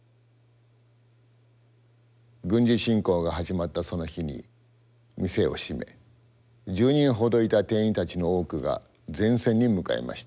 軍事侵攻が始まったその日に店を閉め１０人ほどいた店員たちの多くが前線に向かいました。